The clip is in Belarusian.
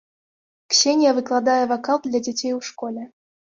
Ксенія выкладае вакал для дзяцей у школе.